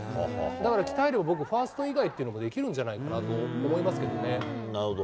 だから鍛えれば、僕、ファースト以外っていうのもできるんじゃないかなと思いますけどなるほど。